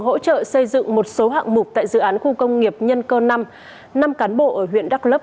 hỗ trợ xây dựng một số hạng mục tại dự án khu công nghiệp nhân cơ năm năm cán bộ ở huyện đắk lấp